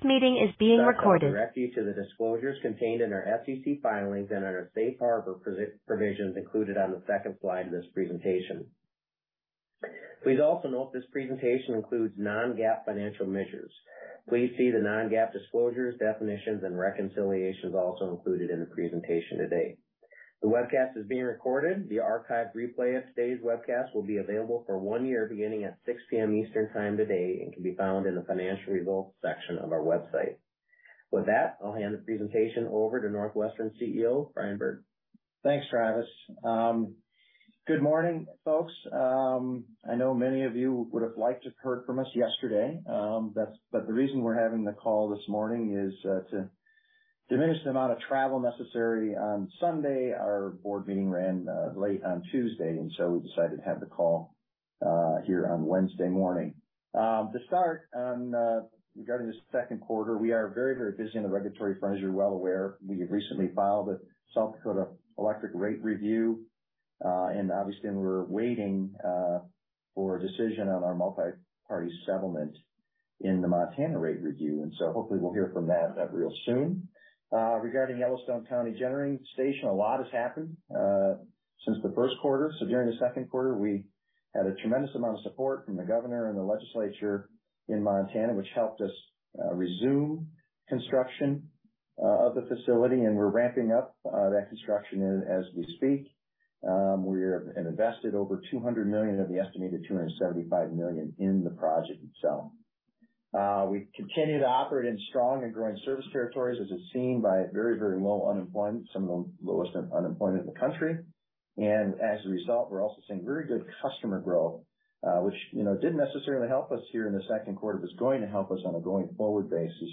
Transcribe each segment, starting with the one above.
I'll direct you to the disclosures contained in our SEC filings and in our safe harbor provisions included on the second slide of this presentation. Please also note this presentation includes non-GAAP financial measures. Please see the non-GAAP disclosures, definitions, and reconciliations also included in the presentation today. The webcast is being recorded. The archived replay of today's webcast will be available for one year, beginning at 6:00 P.M. Eastern Time today and can be found in the Financial Results section of our website. I'll hand the presentation over to NorthWestern CEO, Brian Bird. Thanks, Travis. Good morning, folks. I know many of you would have liked to heard from us yesterday, but the reason we're having the call this morning is to diminish the amount of travel necessary on Sunday. Our board meeting ran late on Tuesday. We decided to have the call here on Wednesday morning. To start on regarding the second quarter, we are very, very busy on the regulatory front, as you're well aware. We recently filed a South Dakota electric rate review, and obviously we're waiting for a decision on our multi-party settlement in the Montana rate review. Hopefully we'll hear from that real soon. Regarding Yellowstone County Generating Station, a lot has happened since the first quarter. During the second quarter, we had a tremendous amount of support from the governor and the legislature in Montana, which helped us resume construction of the facility, and we're ramping up that construction as we speak. We have invested over $200 million of the estimated $275 million in the project itself. We continue to operate in strong and growing service territories, as is seen by very, very low unemployment, some of the lowest unemployment in the country. As a result, we're also seeing very good customer growth, which, you know, didn't necessarily help us here in the second quarter, but it's going to help us on a going-forward basis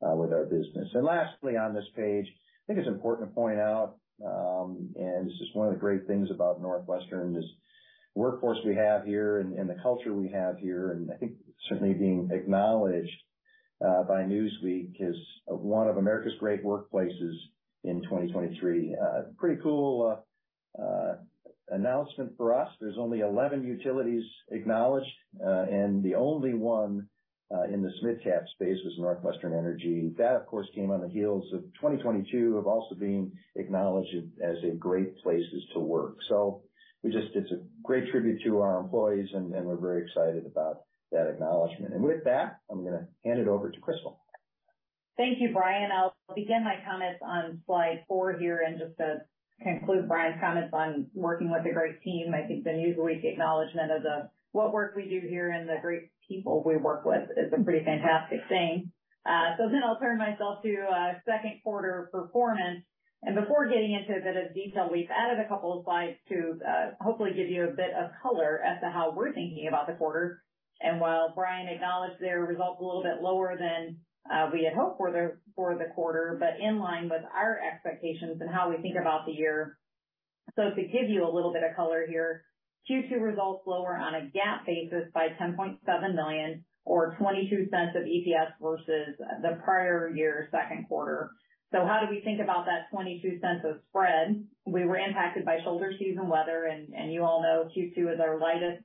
with our business. Lastly, on this page, I think it's important to point out, and this is one of the great things about NorthWestern, is the workforce we have here and the culture we have here, and I think certainly being acknowledged by Newsweek as one of America's great workplaces in 2023. Pretty cool announcement for us. There's only 11 utilities acknowledged, and the only one in the small cap space was NorthWestern Energy. That, of course, came on the heels of 2022 of also being acknowledged as a Great Places to Work. It's a great tribute to our employees, and we're very excited about that acknowledgment. With that, I'm going to hand it over to Crystal. Thank you, Brian. I'll begin my comments on slide four here. Just to conclude Brian's comments on working with a great team, I think the Newsweek acknowledgment of what work we do here and the great people we work with is a pretty fantastic thing. I'll turn myself to second quarter performance. Before getting into a bit of detail, we've added a couple of slides to hopefully give you a bit of color as to how we're thinking about the quarter. While Brian acknowledged their results are a little bit lower than we had hoped for the, for the quarter, but in line with our expectations and how we think about the year. To give you a little bit of color here, Q2 results lower on a GAAP basis by $10.7 million, or $0.22 of EPS, vs the prior year's second quarter. How do we think about that $0.22 of spread? We were impacted by shoulder season weather, and you all know Q2 is our lightest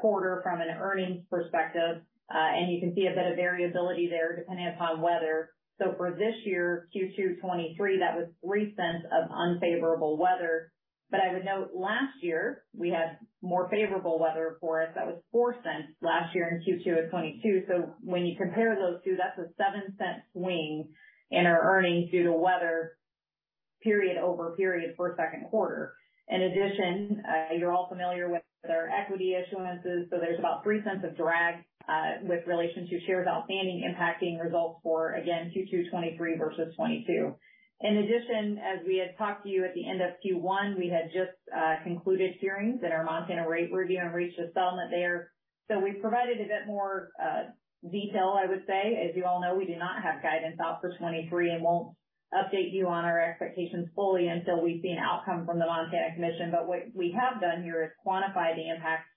quarter from an earnings perspective. You can see a bit of variability there depending upon weather. For this year, Q2 2023, that was $0.03 of unfavorable weather. I would note last year we had more favorable weather for us. That was $0.04 last year in Q2 of 2022. When you compare those two, that's a $0.07 swing in our earnings due to weather period over period for second quarter. In addition, you're all familiar with our equity issuances, so there's about $0.03 of drag with relation to shares outstanding, impacting results for, again, Q2 2023 vs 2022. In addition, as we had talked to you at the end of Q1, we had just concluded hearings in our Montana rate review and reached a settlement there. We've provided a bit more detail, I would say. As you all know, we do not have guidance out for 2023, and won't update you on our expectations fully until we've seen outcome from the Montana Commission. What we have done here is quantify the impact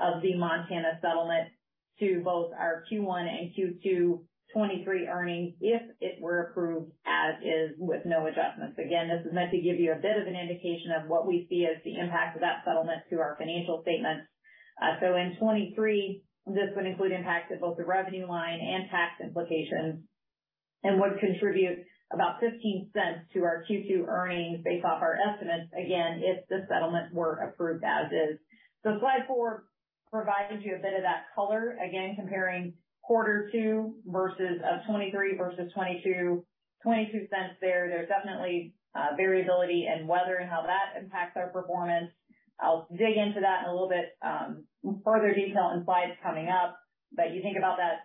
of the Montana settlement to both our Q1 and Q2 2023 earnings if it were approved, as is, with no adjustments. Again, this is meant to give you a bit of an indication of what we see as the impact of that settlement to our financial statements. In 2023, this would include impacts to both the revenue line and tax implications and would contribute about $0.15 to our Q2 earnings based off our estimates, again, if the settlement were approved as is. Slide four provides you a bit of that color, again, comparing quarter two vs 2023 vs 2022. $0.22 there. There's definitely variability in weather and how that impacts our performance. I'll dig into that in a little bit further detail in slides coming up. You think about that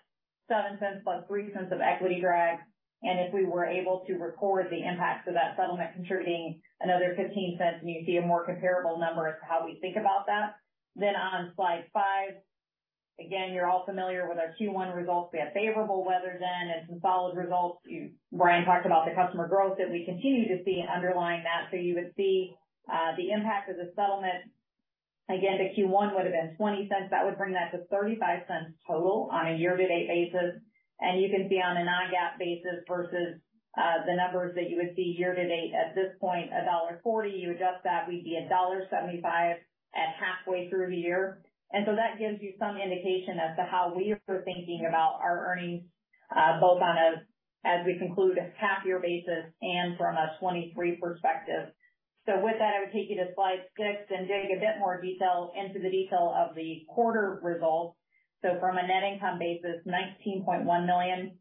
$0.07+$0.03 of equity drag, and if we were able to record the impact of that settlement, contributing another $0.15, and you'd see a more comparable number as to how we think about that. On slide five, again, you're all familiar with our Q1 results. We had favorable weather then and some solid results. Brian talked about the customer growth that we continue to see underlying that. You would see the impact of the settlement. Again, the Q1 would have been $0.20. That would bring that to $0.35 total on a year-to-date basis. You can see on a non-GAAP basis vs the numbers that you would see year to date at this point, $1.40. You adjust that, we'd be $1.75 at halfway through the year. That gives you some indication as to how we are thinking about our earnings, as we conclude a half year basis and from a 2023 perspective. With that, I would take you to slide six and dig a bit more detail into the detail of the quarter results. From a net income basis, $19.1 million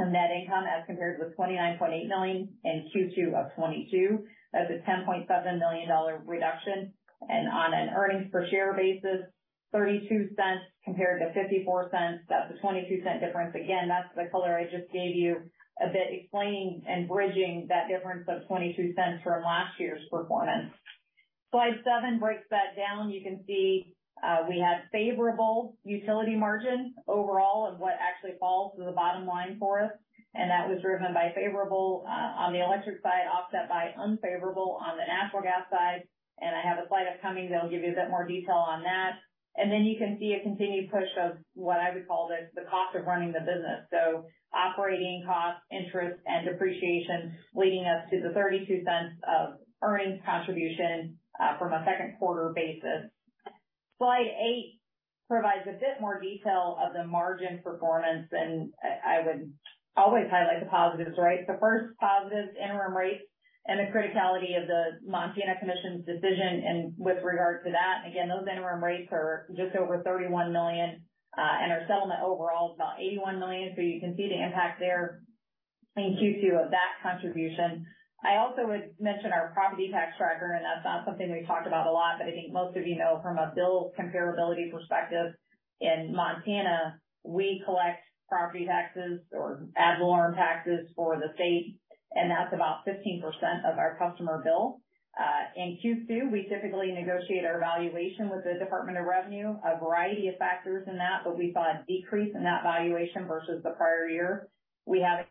in net income, as compared with $29.8 million in Q2 of 2022. That's a $10.7 million reduction. On an earnings per share basis, $0.32 compared to $0.54, that's a $0.22 difference. Again, that's the color I just gave you, a bit explaining and bridging that difference of $0.22 from last year's performance. Slide seven breaks that down. You can see, we had favorable utility margin overall of what actually falls to the bottom line for us, and that was driven by favorable, on the electric side, offset by unfavorable on the natural gas side. I have a slide upcoming that'll give you a bit more detail on that. Then you can see a continued push of what I would call the cost of running the business. Operating costs, interest, and depreciation, leading us to the $0.32 of earnings contribution from a second quarter basis. Slide 8 provides a bit more detail of the margin performance. I would always highlight the positives, right? The first positive, interim rates and the criticality of the Montana Commission's decision and with regard to that. Those interim rates are just over $31 million, our settlement overall is about $81 million. You can see the impact there in Q2 of that contribution. I also would mention our property tax tracker, that's not something we talk about a lot, I think most of you know from a bill comparability perspective, in Montana, we collect property taxes or ad valorem taxes for the state, that's about 15% of our customer bill. In Q2, we typically negotiate our valuation with the Department of Revenue, a variety of factors in that, we saw a decrease in that valuation vs the prior year. We have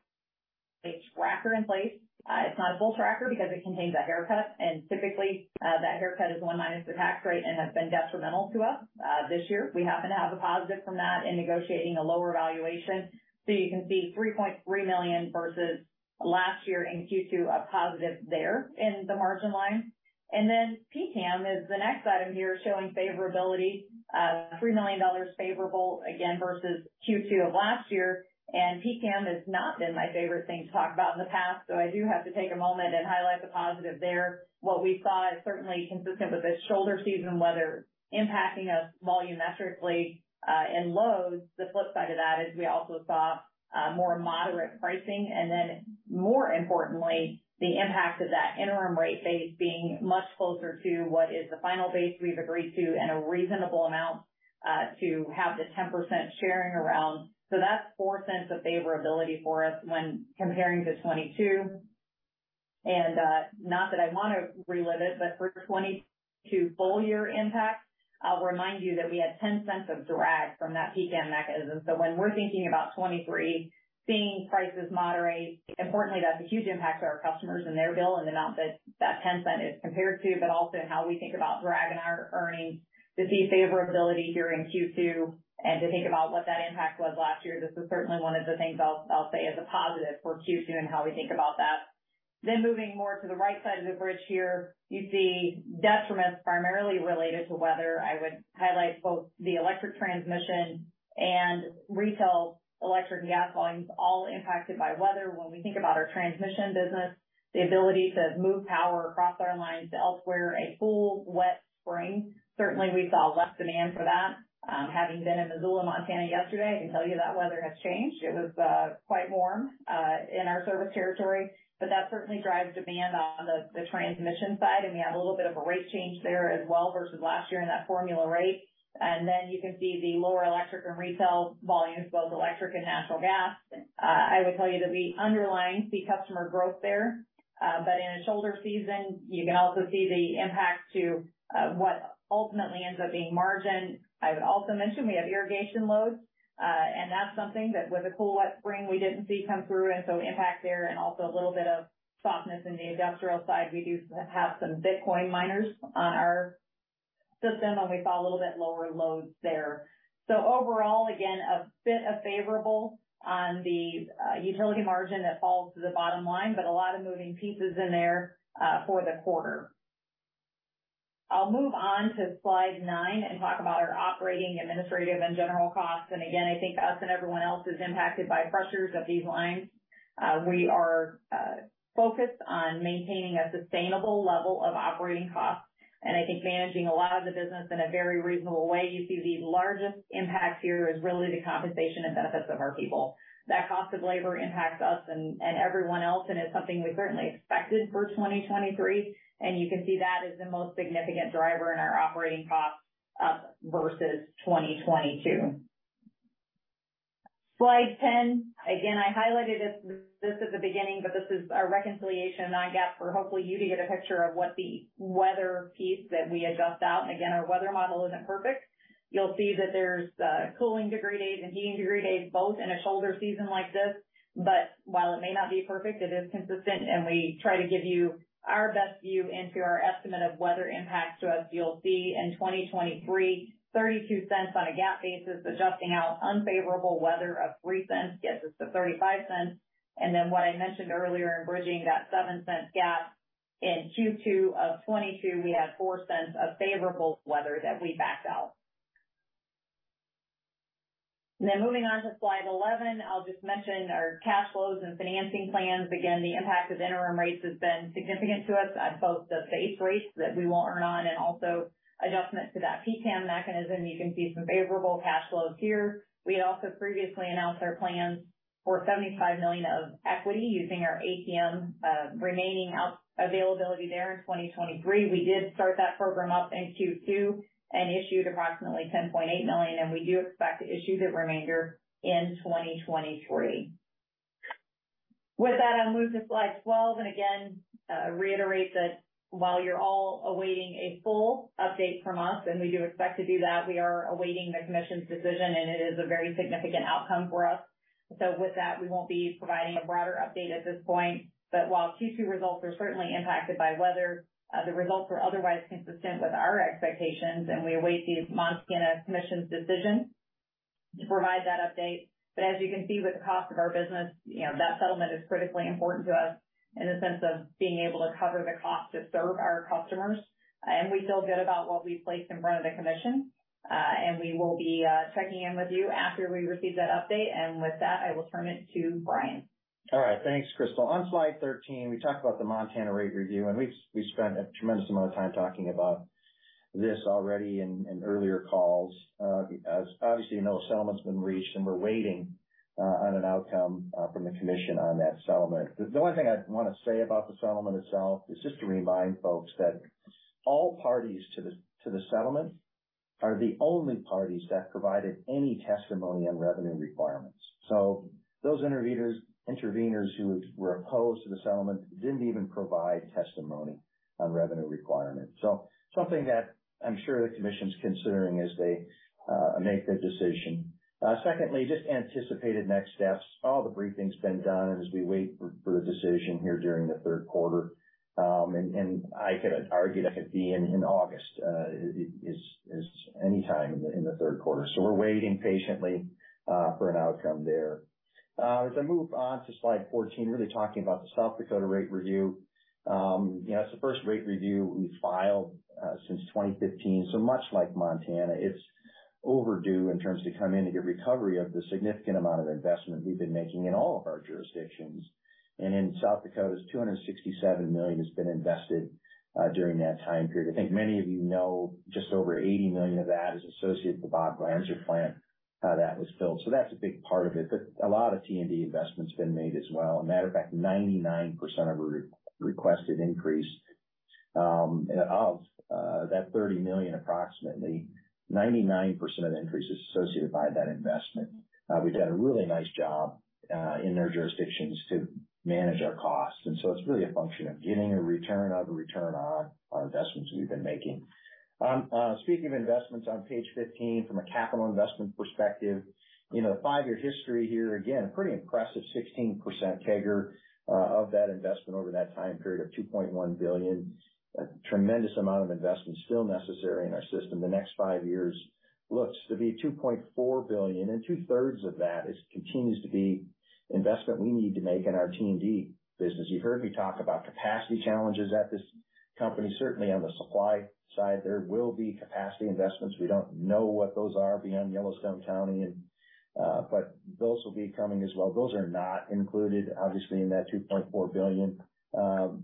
a tracker in place. It's not a full tracker because it contains a haircut, typically, that haircut is one minus the tax rate has been detrimental to us. This year, we happen to have a positive from that in negotiating a lower valuation. You can see $3.3 million vs last year in Q2, a positive there in the margin line. PCCAM is the next item here showing favorability. $3 million favorable, again, vs Q2 of last year. PCCAM has not been my favorite thing to talk about in the past, so I do have to take a moment and highlight the positive there. What we saw is certainly consistent with the shoulder season weather impacting us volumetrically in lows. The flip side of that is we also saw more moderate pricing, more importantly, the impact of that interim rate base being much closer to what is the final base we've agreed to, and a reasonable amount to have the 10% sharing around. That's $0.04 of favorability for us when comparing to 2022. Not that I want to relive it, but for 2022 full year impact, I'll remind you that we had $0.10 of drag from that PCCAM mechanism. When we're thinking about 2023, seeing prices moderate, importantly, that's a huge impact to our customers and their bill, and the amount that that $0.10 is compared to, but also in how we think about dragging our earnings. To see favorability here in Q2 and to think about what that impact was last year, this is certainly one of the things I'll say as a positive for Q2 and how we think about that. Moving more to the right side of the bridge here, you see detriments primarily related to weather. I would highlight both the electric transmission and retail electric and gas volumes, all impacted by weather. When we think about our transmission business, the ability to move power across our lines to elsewhere, a cool, wet spring, certainly we saw less demand for that. Having been in Missoula, Montana yesterday, I can tell you that weather has changed. It was quite warm in our service territory, but that certainly drives demand on the transmission side, and we have a little bit of a rate change there as well vs last year in that formula rate. You can see the lower electric and retail volumes, both electric and natural gas. I would tell you that we underline the customer growth there, but in a shoulder season, you can also see the impact to what ultimately ends up being margin. I would also mention we have irrigation loads, that's something that with a cool, wet spring, we didn't see come through, impact there and also a little bit of softness in the industrial side. We do have some Bitcoin miners on our system, we saw a little bit lower loads there. Overall, again, a bit of favorable on the utility margin that falls to the bottom line, a lot of moving pieces in there for the quarter. I'll move on to slide 9 talk about our operating, administrative, and general costs. Again, I think us and everyone else is impacted by pressures of these lines. We are focused on maintaining a sustainable level of operating costs, I think managing a lot of the business in a very reasonable way. You see the largest impact here is really the compensation and benefits of our people. That cost of labor impacts us and everyone else, and it's something we certainly expected for 2023, and you can see that is the most significant driver in our operating costs up vs 2022. Slide 10. Again, I highlighted this at the beginning, but this is our reconciliation non-GAAP, for hopefully you to get a picture of what the weather piece that we adjust out. Again, our weather model isn't perfect. You'll see that there's cooling degree days and heating degree days, both in a shoulder season like this. While it may not be perfect, it is consistent, and we try to give you our best view into our estimate of weather impact to us. You'll see in 2023, $0.32 on a GAAP basis, adjusting out unfavorable weather of $0.03 gets us to $0.35. What I mentioned earlier in bridging that $0.07 gap in Q2 of 2022, we had $0.04 of favorable weather that we backed out. Moving on to slide 11, I'll just mention our cash flows and financing plans. Again, the impact of interim rates has been significant to us, both the base rates that we will earn on and also adjustments to that PCCAM mechanism. You can see some favorable cash flows here. We had also previously announced our plans for $75 million of equity using our ATM, remaining out availability there in 2023. We did start that program up in Q2 and issued approximately $10.8 million, we do expect to issue the remainder in 2023. With that, I'll move to slide 12 and again, reiterate that while you're all awaiting a full update from us, and we do expect to do that, we are awaiting the Commission's decision, and it is a very significant outcome for us. With that, we won't be providing a broader update at this point. While Q2 results are certainly impacted by weather, the results are otherwise consistent with our expectations, and we await the Montana Commission's decision to provide that update. As you can see, with the cost of our business, you know, that settlement is critically important to us in the sense of being able to cover the cost to serve our customers. We feel good about what we've placed in front of the Commission. We will be checking in with you after we receive that update. With that, I will turn it to Brian. All right. Thanks, Crystal. On slide 13, we've spent a tremendous amount of time talking about this already in earlier calls. Obviously, you know, a settlement's been reached, and we're waiting on an outcome from the Commission on that settlement. The only thing I'd want to say about the settlement itself is just to remind folks that all parties to the settlement are the only parties that provided any testimony on revenue requirements. Those interveners who were opposed to the settlement didn't even provide testimony on revenue requirements. Something that I'm sure the Commission's considering as they make their decision. Secondly, just anticipated next steps. All the briefings been done, as we wait for a decision here during the third quarter, I could argue that could be in August, it is anytime in the third quarter. We're waiting patiently for an outcome there. As I move on to slide 14, really talking about the South Dakota rate review. You know, it's the first rate review we've filed since 2015. Much like Montana, it's overdue in terms to come in and get recovery of the significant amount of investment we've been making in all of our jurisdictions. In South Dakota, $267 million has been invested during that time period. I think many of you know, just over $80 million of that is associated with the Bob Glanzer Generating Station that was built. That's a big part of it, but a lot of T&D investment's been made as well. A matter of fact, 99% of our re-requested increase, of that $30 million, approximately 99% of the increase is associated by that investment. We've done a really nice job in their jurisdictions to manage our costs, it's really a function of getting a return on the return on our investments we've been making. Speaking of investments on page 15, from a capital investment perspective, you know, the five-year history here, again, pretty impressive, 16% CAGR of that investment over that time period of $2.1 billion. A tremendous amount of investment still necessary in our system. The next five years looks to be $2.4 billion, 2/3 of that continues to be investment we need to make in our T&D business. You've heard me talk about capacity challenges at this company. Certainly on the supply side, there will be capacity investments. We don't know what those are beyond Yellowstone County, those will be coming as well. Those are not included, obviously, in that $2.4 billion. Of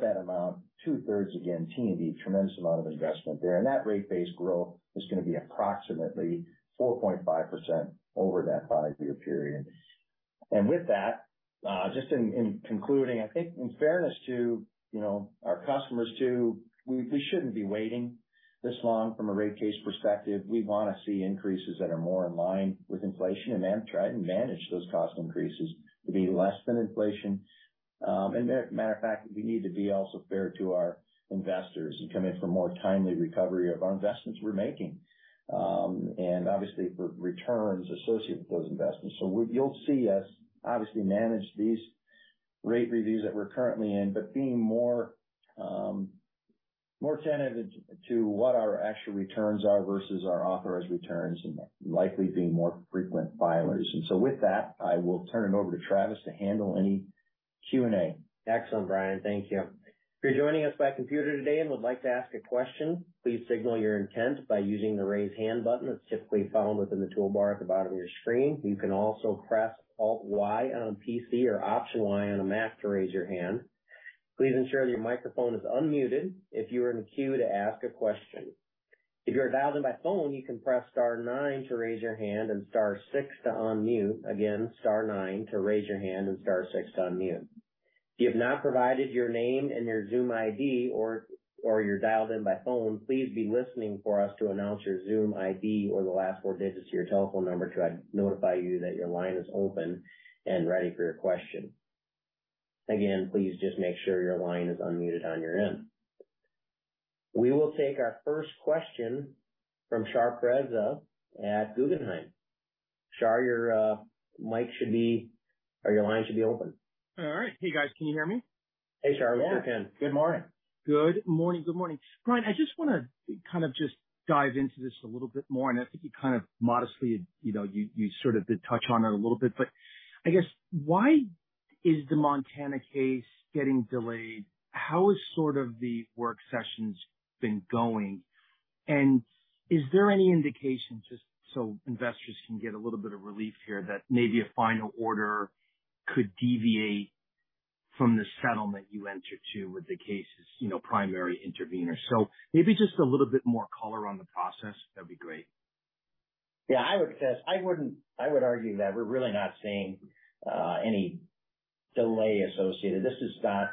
that amount, 2/3, again, T&D, tremendous amount of investment there. That rate base growth is going to be approximately 4.5% over that five-year period. With that, just in concluding, I think in fairness to, you know, our customers too, we shouldn't be waiting this long from a rate case perspective. We want to see increases that are more in line with inflation and then try and manage those cost increases to be less than inflation. Matter of fact, we need to be also fair to our investors and come in for more timely recovery of our investments we're making, and obviously for returns associated with those investments. You'll see us obviously manage these rate reviews that we're currently in, but being more, more attentive to what our actual returns are vs our authorized returns and likely being more frequent filers. With that, I will turn it over to Travis to handle any Q&A. Excellent, Brian. Thank you. If you're joining us by computer today and would like to ask a question, please signal your intent by using the raise hand button that's typically found within the toolbar at the bottom of your screen. You can also press Alt Y on a PC or Option Y on a Mac to raise your hand. Please ensure that your microphone is unmuted if you are in the queue to ask a question. If you are dialed in by phone, you can press star nine to raise your hand and star six to unmute. Again, star nine to raise your hand and star six to unmute. If you have not provided your name and your Zoom ID or you're dialed in by phone, please be listening for us to announce your Zoom ID or the last four digits of your telephone number to identify you that your line is open and ready for your question. Again, please just make sure your line is unmuted on your end. We will take our first question from Shar Pourreza at Guggenheim. Shar, your mic should be or your line should be open. All right. Hey, guys, can you hear me? Hey, Shar. We sure can. Good morning. Good morning. Good morning. Brian, I just want to kind of just dive into this a little bit more, and I think you kind of modestly, you know, you sort of did touch on it a little bit, but I guess, is the Montana case getting delayed? How is sort of the work sessions been going? Is there any indication, just so investors can get a little bit of relief here, that maybe a final order could deviate from the settlement you entered to with the case's, you know, primary intervener? Maybe just a little bit more color on the process, that'd be great. Yeah, I would say, I would argue that we're really not seeing any delay associated. This is not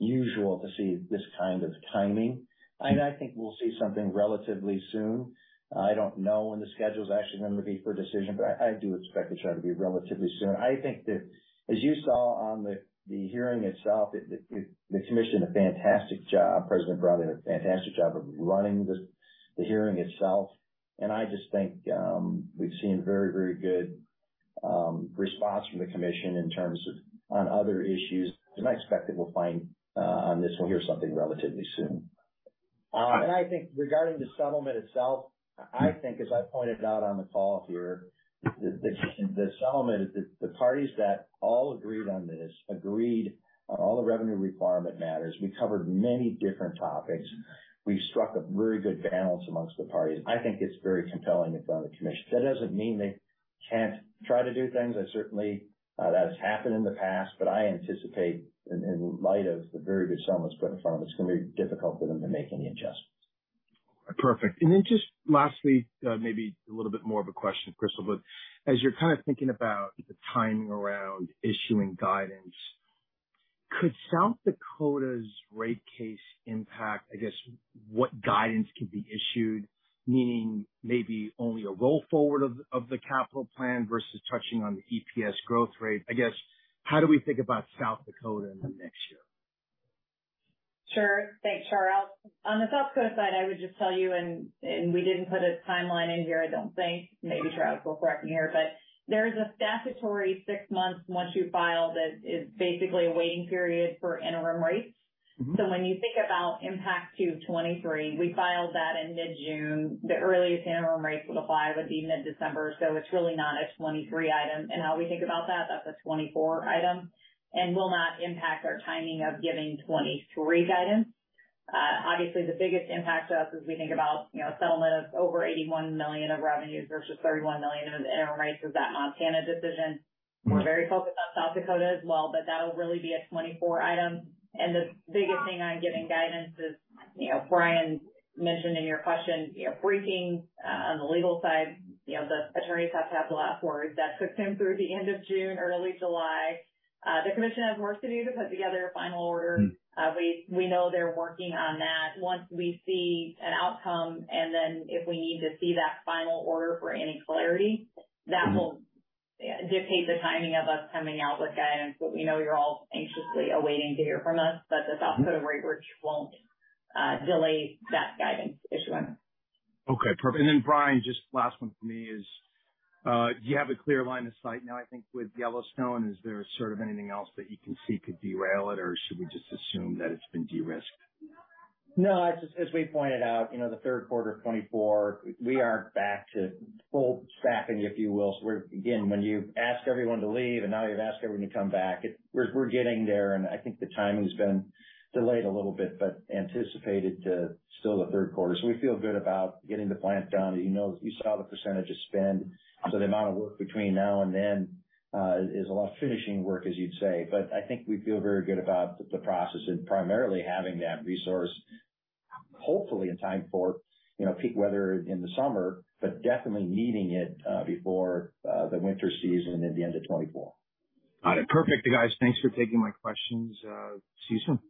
unusual to see this kind of timing. I think we'll see something relatively soon. I don't know when the schedule is actually going to be for a decision, but I do expect it to try to be relatively soon. I think that as you saw on the hearing itself, the commission did a fantastic job. President Brown did a fantastic job of running the hearing itself. I just think, we've seen very, very good response from the commission in terms of on other issues. I expect that we'll find on this, we'll hear something relatively soon. I think regarding the settlement itself, I think, as I pointed out on the call here, the settlement is the parties that all agreed on this agreed on all the revenue requirement matters. We covered many different topics. We struck a very good balance amongst the parties. I think it's very compelling in front of the commission. That doesn't mean they can't try to do things, and certainly, that has happened in the past, but I anticipate in light of the very good settlement that was put in front of them, it's going to be difficult for them to make any adjustments. Perfect. Just lastly, maybe a little bit more of a question for Crystal, but as you're kind of thinking about the timing around issuing guidance, could South Dakota's rate case impact, I guess, what guidance could be issued? Meaning maybe only a roll forward of the capital plan vs touching on the EPS growth rate. I guess, how do we think about South Dakota in the mix here? Sure. Thanks, Shar. On the South Dakota side, I would just tell you, and we didn't put a timeline in here, I don't think. Maybe Shar will correct me here, but there is a statutory six months once you file that is basically a waiting period for interim rates. Mm-hmm. When you think about impact to 2023, we filed that in mid-June. The earliest interim rates would apply would be mid-December, so it's really not a 2023 item. How we think about that's a 2024 item and will not impact our timing of giving 2023 guidance. Obviously, the biggest impact to us as we think about, you know, a settlement of over $81 million of revenues vs $31 million of interim rates is that Montana decision. Mm-hmm. We're very focused on South Dakota as well, but that'll really be a 2024 item. The biggest thing on giving guidance is, you know, Brian mentioned in your question, you know, briefing on the legal side, you know, the attorneys have to have the last word. That could come through the end of June, early July. The commission has work to do to put together a final order. Mm. We know they're working on that. Once we see an outcome, and then if we need to see that final order for any clarity. Mm-hmm. that will dictate the timing of us coming out with guidance. We know you're all anxiously awaiting to hear from us, but the South Dakota rate, which won't delay that guidance issuance. Okay, perfect. Brian, just last one for me is, do you have a clear line of sight now, I think, with Yellowstone, is there sort of anything else that you can see could derail it, or should we just assume that it's been de-risked? As we pointed out, you know, the third quarter of 2024, we are back to full staffing, if you will. We're again, when you ask everyone to leave, and now you've asked everyone to come back, we're getting there, and I think the timing's been delayed a little bit, but anticipated to still the third quarter. We feel good about getting the plant down. You know, you saw the % of spend, the amount of work between now and then, is a lot of finishing work, as you'd say. I think we feel very good about the process and primarily having that resource, hopefully in time for, you know, peak weather in the summer, but definitely needing it before the winter season at the end of 2024. Got it. Perfect, you guys. Thanks for taking my questions. See you soon.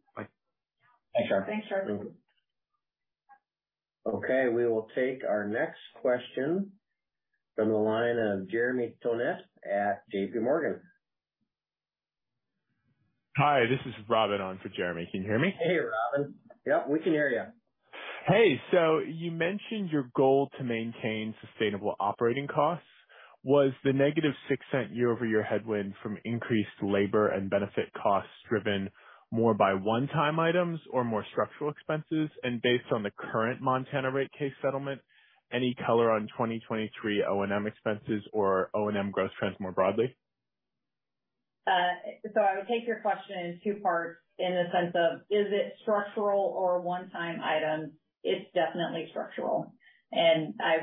Bye. Thanks, Shar. Thanks, Shar. We will take our next question from the line of Jeremy Tonet at JPMorgan. Hi, this is Robin on for Jeremy. Can you hear me? Hey, Robin. Yep, we can hear you. Hey, you mentioned your goal to maintain sustainable operating costs. Was the -$0.06 year-over-year headwind from increased labor and benefit costs driven more by one-time items or more structural expenses? Based on the current Montana rate case settlement, any color on 2023 O&M expenses or O&M growth trends more broadly? I would take your question in two parts, in the sense of, is it structural or a one-time item? It's definitely structural. Since I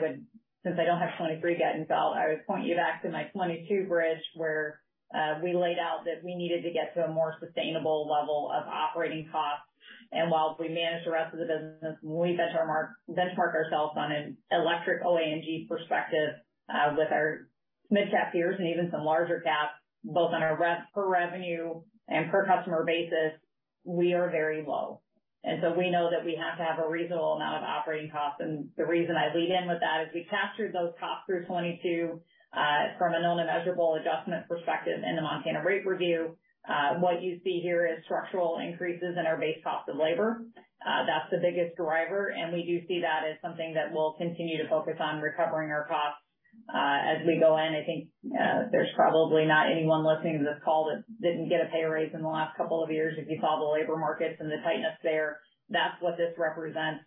don't have 2023 guidance, I would point you back to my 2022 bridge, where we laid out that we needed to get to a more sustainable level of operating costs. While we manage the rest of the business, we benchmark ourselves on an electric OAG perspective, with our mid-cap peers and even some larger caps, both on a per revenue and per customer basis, we are very low. We know that we have to have a reasonable amount of operating costs. The reason I lead in with that is we captured those costs through 2022, from a known and measurable adjustment perspective in the Montana rate review. What you see here is structural increases in our base cost of labor. That's the biggest driver. We do see that as something that we'll continue to focus on recovering our costs as we go in. I think there's probably not anyone listening to this call that didn't get a pay raise in the last couple of years. If you saw the labor markets and the tightness there, that's what this represents.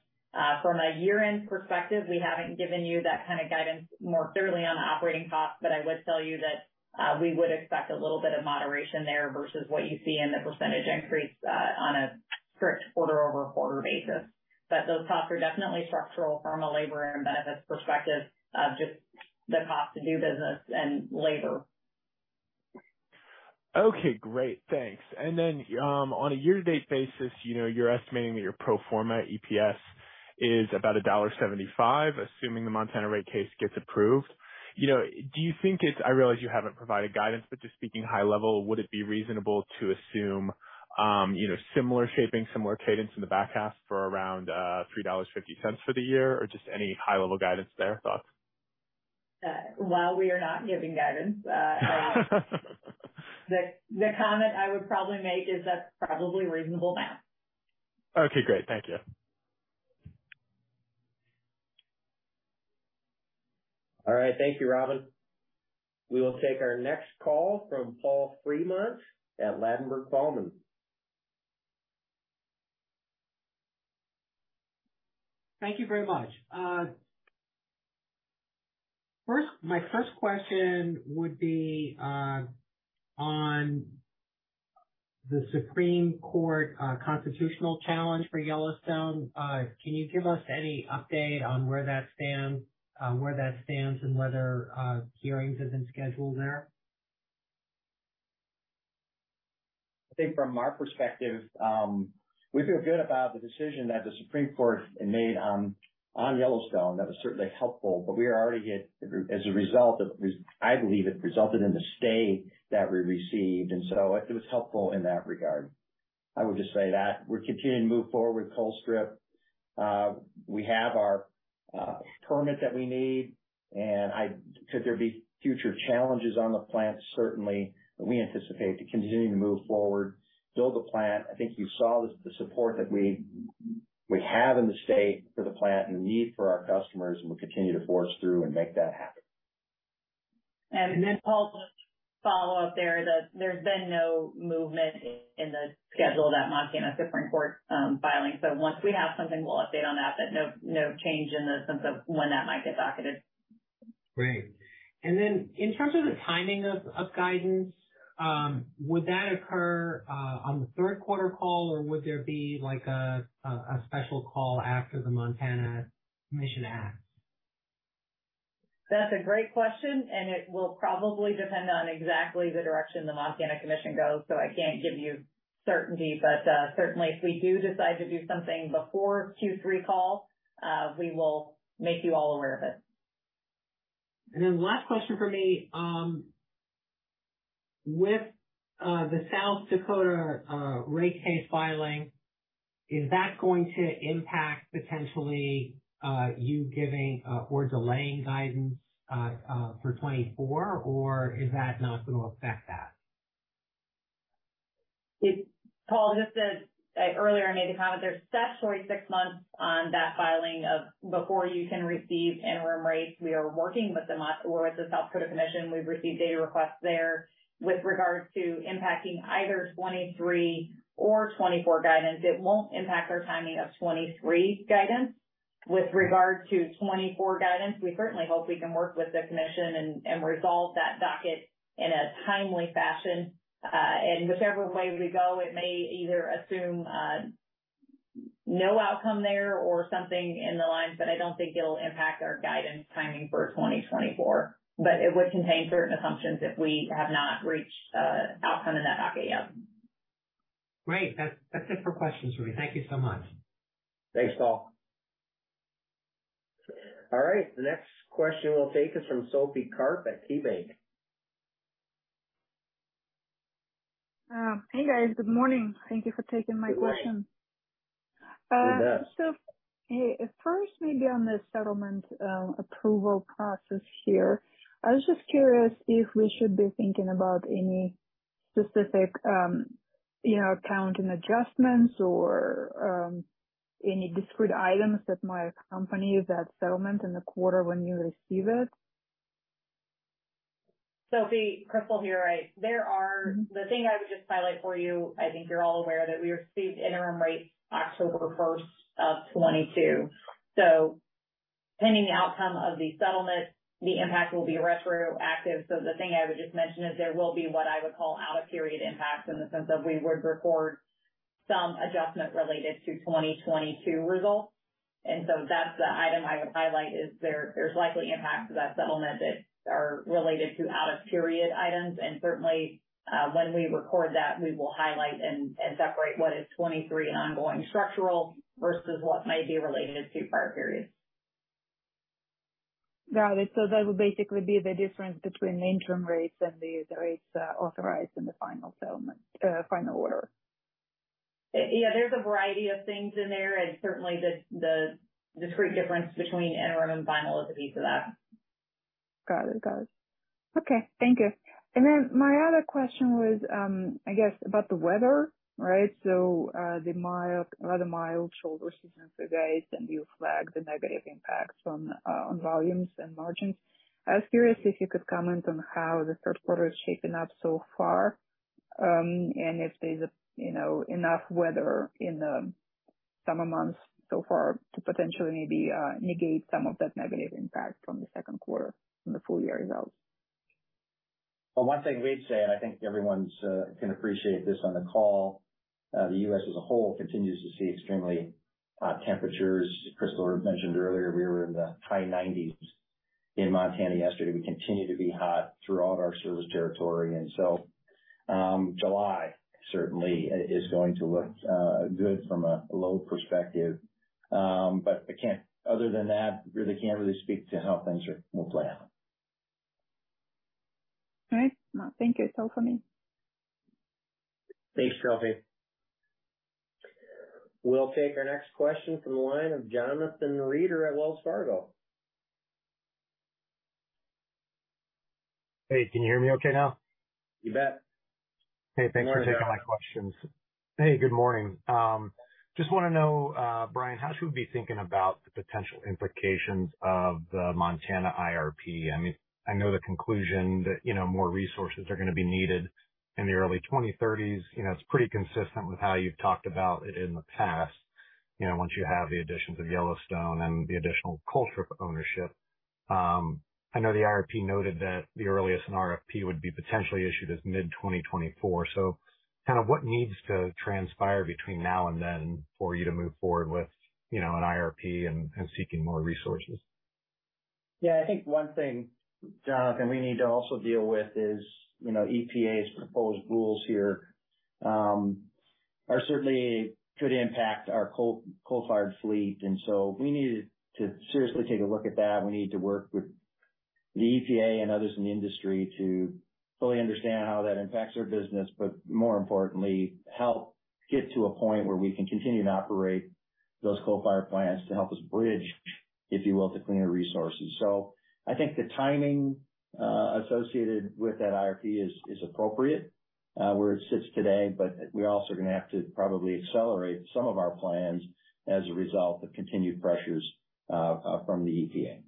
From a year-end perspective, we haven't given you that kind of guidance more clearly on the operating costs. I would tell you that we would expect a little bit of moderation there vs what you see in the % increase on a strict quarter-over-quarter basis. Those costs are definitely structural from a labor and benefits perspective of just the cost to do business and labor. Okay, great. Thanks. Then, on a year-to-date basis, you know, you're estimating that your pro forma EPS is about $1.75, assuming the Montana rate case gets approved. You know, I realize you haven't provided guidance, but just speaking high level, would it be reasonable to assume, you know, similar shaping, similar cadence in the back half for around $3.50 for the year, or just any high level guidance there? Thoughts. While we are not giving guidance, the comment I would probably make is that's probably reasonable now. Okay, great. Thank you. All right. Thank you, Robin. We will take our next call from Paul Fremont at Ladenburg Thalmann. Thank you very much. First, my first question would be on the Supreme Court constitutional challenge for Yellowstone. Can you give us any update on where that stands and whether hearings have been scheduled there? I think from our perspective, we feel good about the decision that the Supreme Court made on Yellowstone. That was certainly helpful. We are already hit. As a result of I believe it resulted in the stay that we received. It was helpful in that regard. I would just say that we're continuing to move forward with Colstrip. We have our permit that we need. Could there be future challenges on the plant? Certainly, we anticipate to continuing to move forward, build the plant. I think you saw the support that we have in the state for the plant and the need for our customers. We'll continue to forge through and make that happen. Paul, just follow up there, that there's been no movement in the schedule of that Montana Supreme Court filing. Once we have something, we'll update on that, but no change in the sense of when that might get docketed. Great. Then in terms of the timing of guidance, would that occur on the third quarter call, or would there be like a special call after the Montana Commission acts? That's a great question, and it will probably depend on exactly the direction the Montana Commission goes. I can't give you certainty, but certainly if we do decide to do something before Q3 call, we will make you all aware of it. The last question for me, with the South Dakota rate case filing, is that going to impact potentially you giving or delaying guidance for 2024, or is that not going to affect that? Paul, just as I earlier made the comment, there's statutory six months on that filing of before you can receive interim rates. We are working with them on, or with the South Dakota Commission. We've received data requests there. With regards to impacting either 23 or 24 guidance, it won't impact our timing of 23 guidance. With regard to 24 guidance, we certainly hope we can work with the Commission and resolve that docket in a timely fashion. Whichever way we go, it may either assume no outcome there or something in the lines, but I don't think it'll impact our guidance timing for 2024. It would contain certain assumptions if we have not reached a outcome in that docket yet. Great. That's it for questions for me. Thank you so much. Thanks, Paul. The next question we'll take is from Sophie Karp at KeyBanc. Hey, guys. Good morning. Thank you for taking my question. Good morning. Yes. Hey, first, maybe on the settlement approval process here. I was just curious if we should be thinking about any specific, you know, accounting adjustments or any discrete items that might accompany that settlement in the quarter when you receive it? Sophie, Crystal here, right. The thing I would just highlight for you, I think you're all aware that we received interim rates October 1st of 2022. Pending the outcome of the settlement, the impact will be retroactive. The thing I would just mention is there will be what I would call out-of-period impacts, in the sense of we would record some adjustment related to 2022 results. That's the item I would highlight, is there's likely impacts to that settlement that are related to out-of-period items. Certainly, when we record that, we will highlight and separate what is 2023 and ongoing structural vs what might be related to prior periods. Got it. that would basically be the difference between the interim rates and the rates authorized in the final settlement, final order? There's a variety of things in there, and certainly the discrete difference between interim and final is a piece of that. Got it. Got it. Okay, thank you. My other question was, I guess about the weather, right? The mild, rather mild shoulder season so far, and you flagged the negative impacts on volumes and margins. I was curious if you could comment on how the third quarter is shaping up so far, if there's a, you know, enough weather in the summer months so far to potentially maybe negate some of that negative impact from the second quarter on the full year results? One thing we'd say, and I think everyone's can appreciate this on the call, the U.S. as a whole continues to see extremely hot temperatures. Crystal mentioned earlier, we were in the high 90s in Montana yesterday. We continue to be hot throughout our service territory, and so July certainly is going to look good from a load perspective. I can't other than that, I really can't speak to how things are, will play out. All right. Thank you, that's all for me. Thanks, Sophie. We'll take our next question from the line of Jonathan Reeder at Wells Fargo. Hey, can you hear me okay now? You bet. Hey, thanks for taking my questions. Hey, good morning. Just want to know, Brian, how should we be thinking about the potential implications of the Montana IRP? I mean, I know the conclusion that, you know, more resources are going to be needed in the early 2030s. You know, it's pretty consistent with how you've talked about it in the past. You know, once you have the additions of Yellowstone and the additional Colstrip ownership. I know the IRP noted that the earliest an RFP would be potentially issued is mid-2024. Kind of what needs to transpire between now and then for you to move forward with, you know, an IRP and seeking more resources? Yeah, I think one thing, Jonathan, we need to also deal with is, you know, EPA's proposed rules here, are certainly could impact our coal-fired fleet. We need to seriously take a look at that. We need to work with the EPA and others in the industry to fully understand how that impacts our business, but more importantly, help get to a point where we can continue to operate those coal-fired plants to help us bridge, if you will, to cleaner resources. I think the timing associated with that IRP is appropriate where it sits today, but we're also going to have to probably accelerate some of our plans as a result of continued pressures from the EPA.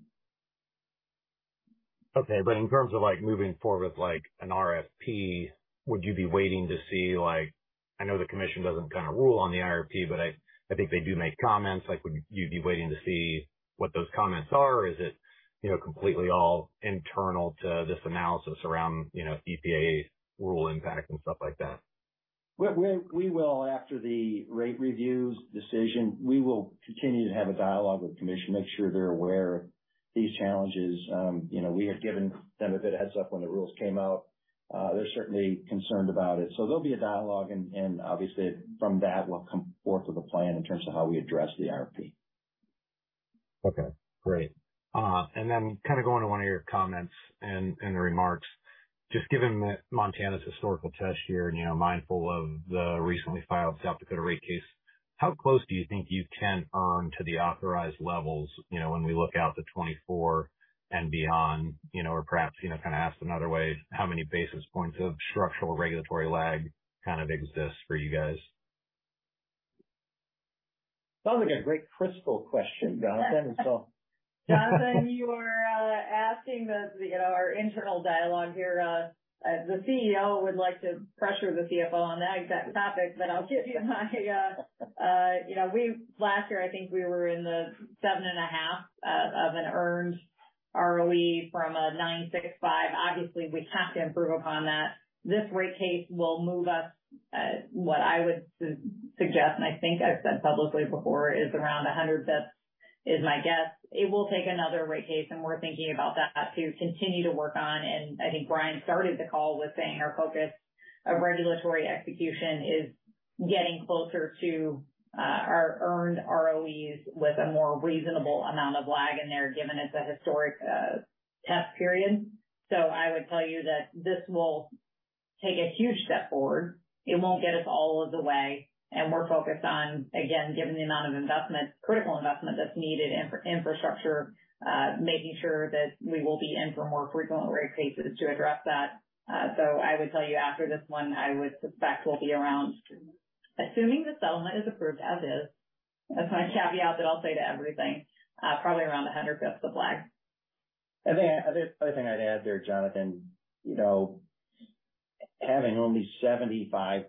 Okay. In terms of, like, moving forward with, like, an RFP, would you be waiting to see? Like, I know the commission doesn't kind of rule on the IRP, but I think they do make comments. Like, would you be waiting to see what those comments are? Or is it, you know, completely all internal to this analysis around, you know, EPA's rule impact and stuff like that? We will, after the rate review's decision, we will continue to have a dialogue with the commission, make sure they're aware of these challenges. You know, we have given them a bit of heads up when the rules came out. They're certainly concerned about it. There'll be a dialogue and obviously from that will come forth with a plan in terms of how we address the IRP. Okay, great. Then kind of going to one of your comments and, in the remarks, just given that Montana's historical test year and, you know, mindful of the recently filed South Dakota rate case, how close do you think you can earn to the authorized levels, you know, when we look out to 2024 and beyond, you know, or perhaps, you know, kind of asked another way, how many basis points of structural regulatory lag kind of exists for you guys? Sounds like a great Crystal question, Jonathan, so. Jonathan, you are asking the, you know, our internal dialogue here. The CEO would like to pressure the CFO on that exact topic, but I'll give you my, you know, last year, I think we were in the 7.5 of an earned ROE from a 9.65. Obviously, we have to improve upon that. This rate case will move us, what I would suggest, and I think I've said publicly before, is around 100 basis points, is my guess. It will take another rate case, and we're thinking about that, to continue to work on. I think Brian started the call with saying our focus of regulatory execution is getting closer to our earned ROEs with a more reasonable amount of lag in there, given it's a historic test period. I would tell you that this will take a huge step forward. It won't get us all of the way. We're focused on, again, given the amount of investment, critical investment that's needed in infrastructure, making sure that we will be in for more frequent rate cases to address that. I would tell you after this one, I would suspect we'll be around, assuming the settlement is approved as is, that's my caveat that I'll say to everything, probably around 100 basis points of lag. I think other thing I'd add there, Jonathan, you know, having only 75%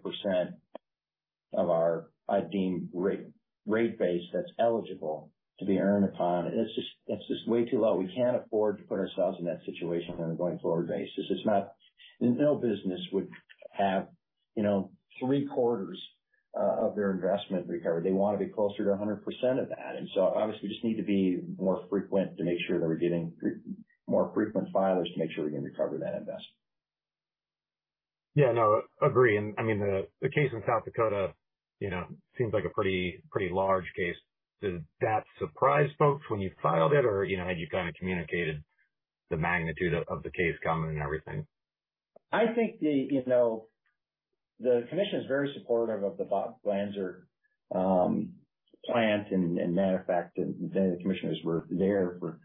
of our deemed rate base that's eligible to be earned upon, it's just way too low. We can't afford to put ourselves in that situation on a going-forward basis. No business would have, you know, three-quarters of their investment recovered. They want to be closer to 100% of that. Obviously, we just need to be more frequent to make sure that we're getting more frequent filers to make sure we can recover that investment. Yeah, no, agree. I mean, the case in South Dakota, you know, seems like a pretty large case. Did that surprise folks when you filed it, or, you know, had you kind of communicated the magnitude of the case coming and everything? I think the, you know, the commission is very supportive of the Bob Glanzer plant, and matter of fact, the commissioners were there for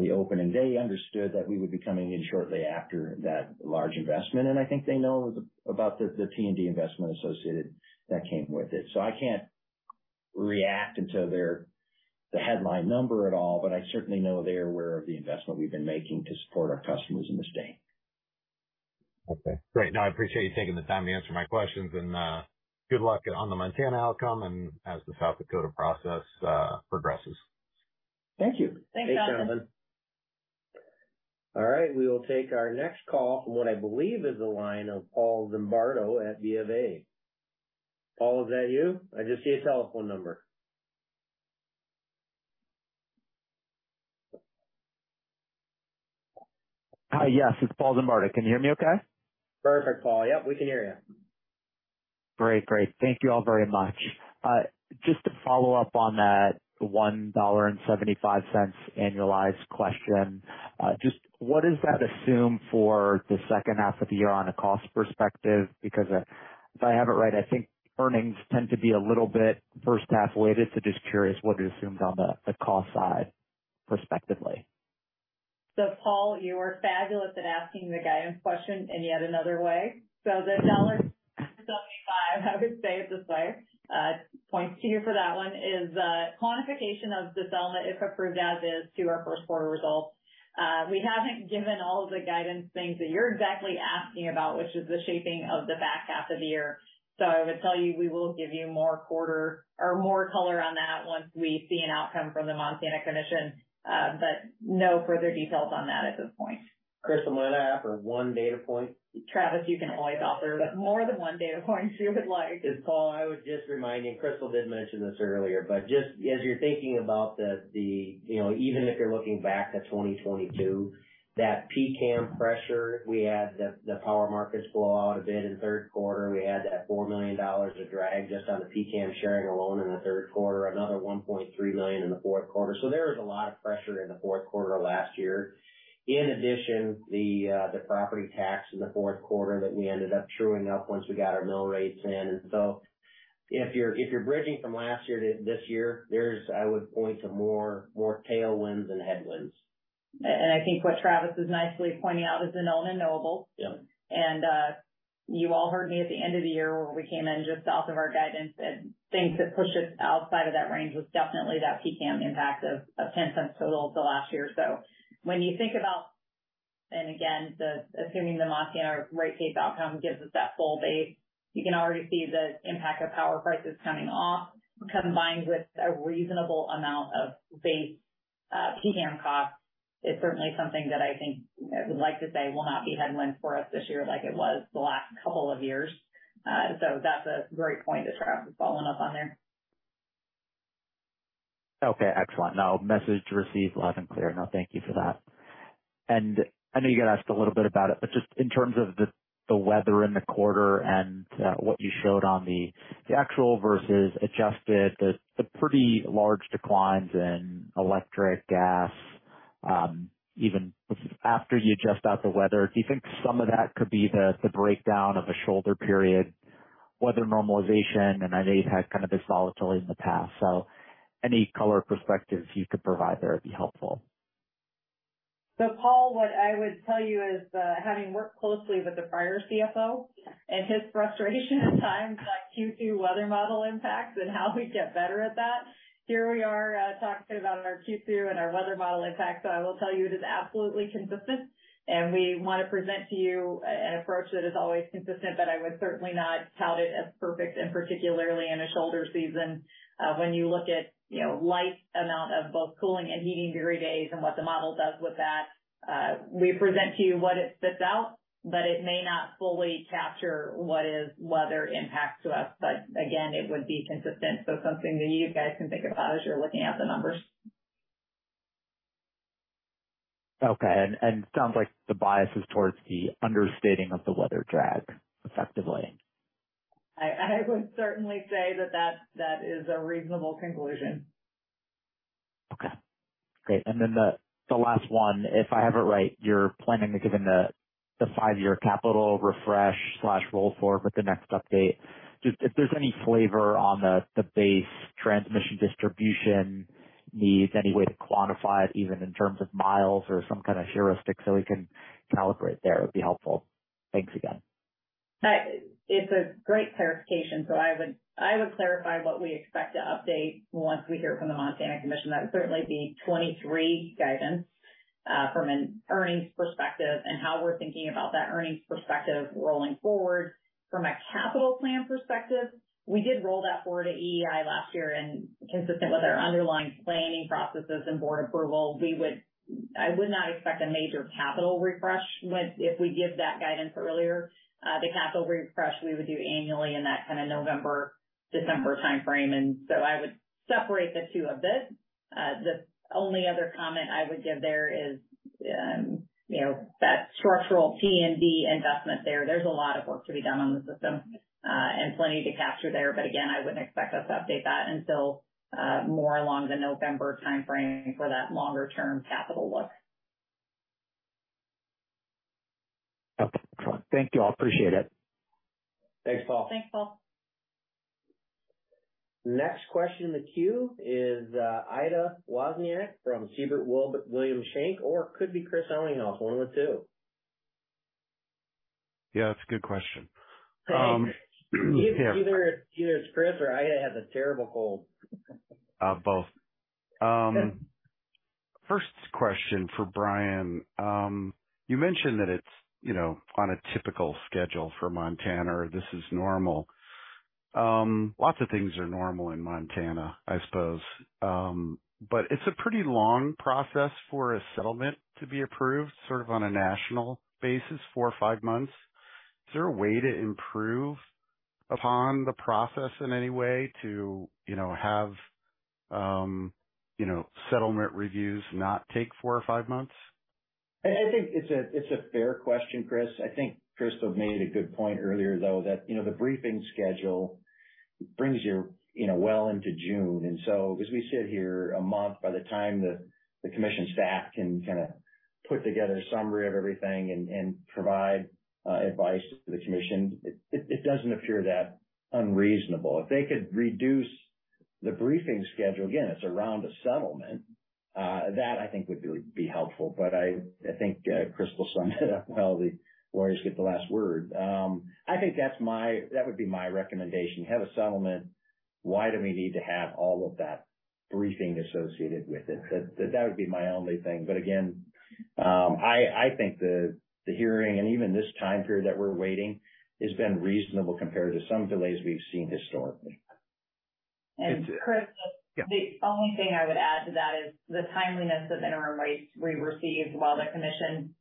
the opening. They understood that we would be coming in shortly after that large investment, and I think they know about the P&D investment associated that came with it. I can't react to the headline number at all, but I certainly know they are aware of the investment we've been making to support our customers in the state. Okay, great. I appreciate you taking the time to answer my questions and good luck on the Montana outcome and as the South Dakota process progresses. Thank you. Thanks, Jonathan. All right, we will take our next call from what I believe is the line of Paul Zimbardo at BofA. Paul, is that you? I just see a telephone number. Yes, it's Paul Zimbardo. Can you hear me okay? Perfect, Paul. Yep, we can hear you. Great. Great. Thank you all very much. Just to follow up on that $1.75 annualized question. Just what does that assume for the second half of the year on a cost perspective? Because, if I have it right, I think earnings tend to be a little bit first half weighted. Just curious what it assumes on the cost side, perspectively. Paul, you are fabulous at asking the guidance question in yet another way. The $1.75, I would say it this way, points to you for that one, is quantification of the settlement, if approved, as is to our first quarter results. We haven't given all of the guidance things that you're exactly asking about, which is the shaping of the back half of the year. I would tell you, we will give you more color on that once we see an outcome from the Montana Commission. No further details on that at this point. Crystal, may I offer one data point? Travis, you can always offer more than one data point if you would like. Paul, I was just reminding, Crystal did mention this earlier, but just as you're thinking about the, you know, even if you're looking back to 2022, that PCCAM pressure, we had the power markets blow out a bit in the third quarter. We had that $4 million of drag just on the PCCAM sharing alone in the third quarter, another $1.3 million in the fourth quarter. There was a lot of pressure in the fourth quarter last year. In addition, the property tax in the fourth quarter that we ended up truing up once we got our mill rates in. If you're, if you're bridging from last year to this year, there's, I would point to more, more tailwinds than headwinds. I think what Travis is nicely pointing out is the known and knowable. Yeah. You all heard me at the end of the year where we came in just south of our guidance and things that pushed us outside of that range was definitely that PCCAM impact of $0.10 total to last year. When you think about... Again, the assuming the Montana rate case outcome gives us that full base, you can already see the impact of power prices coming off, combined with a reasonable amount of base, PCCAM costs. It's certainly something that I think I would like to say will not be headwind for us this year, like it was the last couple of years. That's a great point that Travis is following up on there. Okay, excellent. Message received loud and clear. Thank you for that. I know you got asked a little bit about it, but just in terms of the weather in the quarter and, what you showed on the actual vs adjusted, the pretty large declines in electric, gas, even after you adjust out the weather, do you think some of that could be the breakdown of a shoulder period, weather normalization? I know you've had kind of this volatility in the past, so any color perspectives you could provide there would be helpful. Paul, what I would tell you is that, having worked closely with the prior CFO and his frustration at times on Q2 weather model impacts and how we get better at that, here we are, talking about our Q2 and our weather model impact. I will tell you it is absolutely consistent, and we want to present to you an approach that is always consistent, but I would certainly not tout it as perfect, and particularly in a shoulder season, when you look at, you know, light amount of both cooling and heating degree days and what the model does with that. We present to you what it spits out, but it may not fully capture what is weather impact to us. Again, it would be consistent. Something that you guys can think about as you're looking at the numbers. Okay. Sounds like the bias is towards the understating of the weather drag, effectively. I would certainly say that is a reasonable conclusion. Okay, great. Then the last one, if I have it right, you're planning to give him the five-year capital refresh slash roll forward with the next update. Just if there's any flavor on the base transmission distribution needs, any way to quantify it, even in terms of miles or some kind of heuristic, so we can calibrate there, would be helpful. Thanks again. It's a great clarification. I would, I would clarify what we expect to update once we hear from the Montana Commission. That would certainly be 2023 guidance from an earnings perspective and how we're thinking about that earnings perspective rolling forward. From a capital plan perspective, we did roll that forward at EEI last year, and consistent with our underlying planning processes and board approval, I would not expect a major capital refresh if we give that guidance earlier. The capital refresh we would do annually in that kind of November, December timeframe. I would separate the two a bit. The only other comment I would give there is, you know, that structural T&D investment there. There's a lot of work to be done on the system, and plenty to capture there. Again, I wouldn't expect us to update that until, more along the November timeframe for that longer-term capital look. Okay. Thank you all. Appreciate it. Thanks, Paul. Thanks, Paul. Next question in the queue is, Chris Ellinghaus from Siebert Williams Shank, or it could be Chris Ellinghaus, one of the two. Yeah, it's a good question. Either it's Chris or Chris Ellinghaus has a terrible cold. Both. First question for Brian. You mentioned that it's, you know, on a typical schedule for Montana, or this is normal. Lots of things are normal in Montana, I suppose. It's a pretty long process for a settlement to be approved, sort of on a national basis, four or five months. Is there a way to improve upon the process in any way to, you know, have, you know, settlement reviews not take four or five months? I think it's a fair question, Chris. I think Crystal made a good point earlier, though, that, you know, the briefing schedule brings you know, well into June. As we sit here a month, by the time the commission staff can kind of put together a summary of everything and provide advice to the commission, it doesn't appear that unreasonable. If they could reduce the briefing schedule, again, it's around a settlement, that I think would be helpful. I think Crystal summed it up well, the lawyers get the last word. I think that would be my recommendation. You have a settlement, why do we need to have all of that briefing associated with it? That would be my only thing. Again, I think the hearing and even this time period that we're waiting has been reasonable compared to some delays we've seen historically. Chris, the only thing I would add to that is the timeliness of interim rates we received while the commission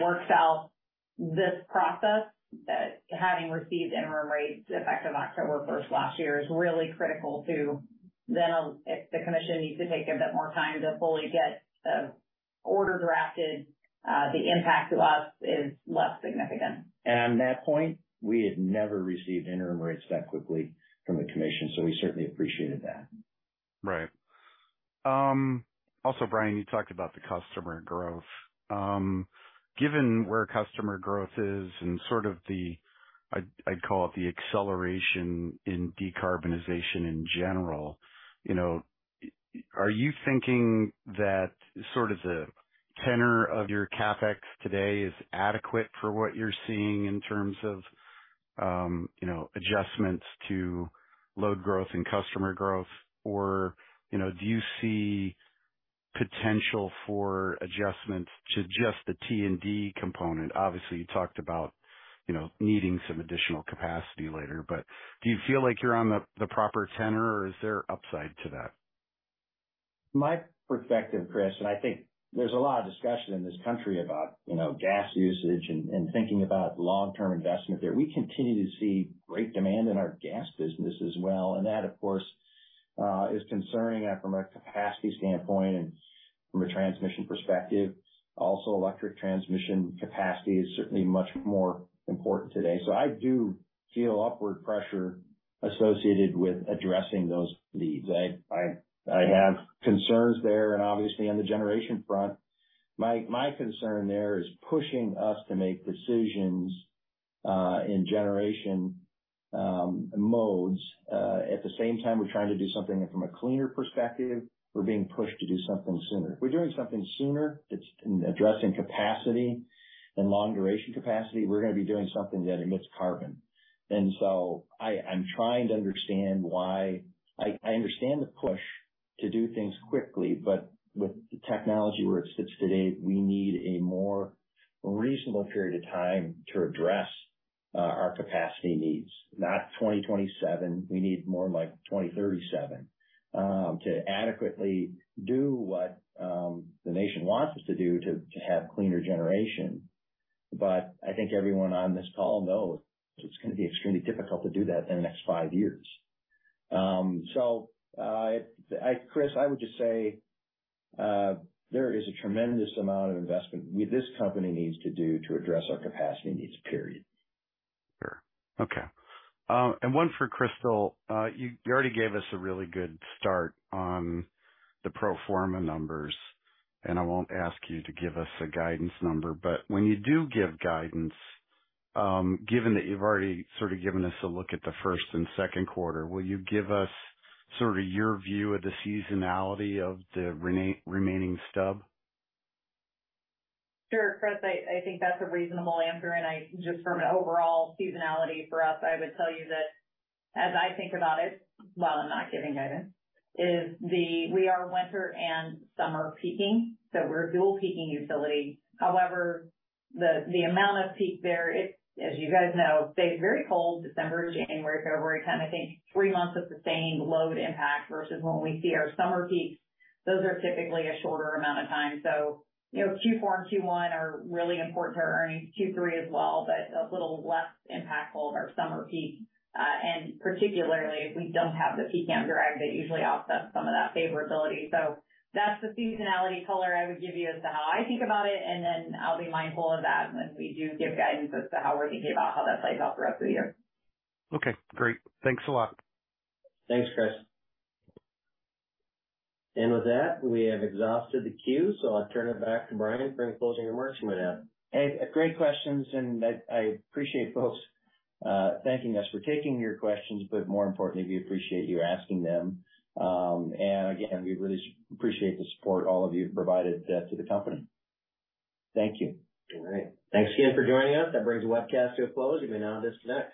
works out this process, that having received interim rates effective October 1 last year, is really critical to then, if the commission needs to take a bit more time to fully get the order drafted, the impact to us is less significant. On that point, we had never received interim rates that quickly from the commission, so we certainly appreciated that. Right. Also, Brian, you talked about the customer growth. Given where customer growth is and sort of the, I'd call it, the acceleration in decarbonization in general, you know, are you thinking that sort of the tenor of your CapEx today is adequate for what you're seeing in terms of, you know, adjustments to load growth and customer growth? You know, do you see potential for adjustments to just the T&D component? Obviously, you talked about, you know, needing some additional capacity later, but do you feel like you're on the proper tenor or is there upside to that? My perspective, Chris, and I think there's a lot of discussion in this country about, you know, gas usage and thinking about long-term investment there. We continue to see great demand in our gas business as well, and that, of course, is concerning that from a capacity standpoint and from a transmission perspective. Also, electric transmission capacity is certainly much more important today, so I do feel upward pressure associated with addressing those needs. I have concerns there and obviously on the generation front. My concern there is pushing us to make decisions in generation modes. At the same time, we're trying to do something from a cleaner perspective, we're being pushed to do something sooner. We're doing something sooner, it's in addressing capacity and long duration capacity, we're going to be doing something that emits carbon. I'm trying to understand why... I understand the push to do things quickly, but with the technology where it sits today, we need a more reasonable period of time to address our capacity needs. Not 2027, we need more like 2037 to adequately do what the nation wants us to do to have cleaner generation. I think everyone on this call knows it's going to be extremely difficult to do that in the next five years. I, Chris, I would just say, there is a tremendous amount of investment we, this company needs to do to address our capacity needs, period. Sure. Okay. One for Crystal. You already gave us a really good start on the pro forma numbers, and I won't ask you to give us a guidance number, but when you do give guidance, given that you've already sort of given us a look at the first and second quarter, will you give us sort of your view of the seasonality of the remaining stub? Sure, Chris. I think that's a reasonable answer. I just from an overall seasonality for us, I would tell you that as I think about it, while I'm not giving guidance, we are winter and summer peaking, so we're a dual peaking utility. The amount of peak there, as you guys know, stays very cold December, January, February time. I think three months of sustained load impact vs when we see our summer peaks, those are typically a shorter amount of time. You know, Q4 and Q1 are really important to our earnings, Q3 as well, but a little less impactful than our summer peak. Particularly if we don't have the PCCAM drag, that usually offsets some of that favorability. That's the seasonality color I would give you as to how I think about it, and then I'll be mindful of that when we do give guidance as to how we're thinking about how that plays out throughout the year. Okay, great. Thanks a lot. Thanks, Chris. With that, we have exhausted the queue, so I'll turn it back to Brian for any closing remarks from him. Hey, great questions. I appreciate folks thanking us for taking your questions, but more importantly, we appreciate you asking them. Again, we really appreciate the support all of you have provided to the company. Thank you. All right. Thanks again for joining us. That brings the webcast to a close. You may now disconnect.